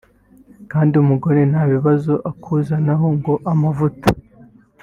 kandi umugore nta bibazo akuzanaho ngo amavuta